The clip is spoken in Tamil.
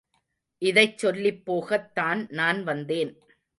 இதைச் சொல்லிப் போகத் தான் நான் வந்தேன்.